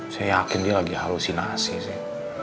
saya yakin dia lagi halusinasi saya